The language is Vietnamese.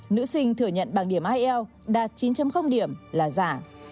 nữ sinh thừa nhận bằng điểm ielts đạt chín điểm là giả